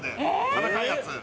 食べたいやつ。